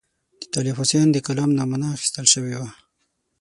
د طالب حسین د کلام نمونه اخیستل شوې وه.